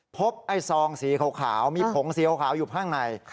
พบไอ้ซองสีขาวมีผงสีขาวอยู่ข้างใน